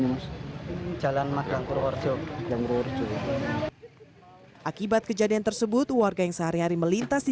mengalirkan kemampuan untuk menemukan jalan utama